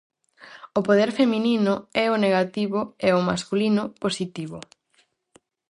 O poder feminino é o negativo e o masculino, positivo.